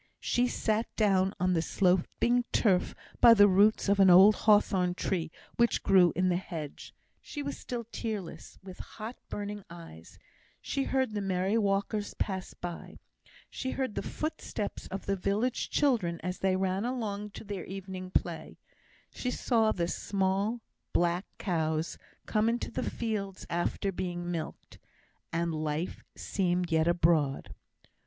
She sat down on the sloping turf by the roots of an old hawthorn tree which grew in the hedge; she was still tearless with hot burning eyes; she heard the merry walkers pass by; she heard the footsteps of the village children as they ran along to their evening play; she saw the small black cows come into the fields after being milked; and life seemed yet abroad.